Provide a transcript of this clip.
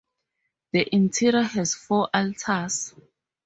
The interior has four altars.